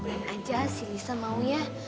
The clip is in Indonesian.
boleh boleh aja si lisa mau ya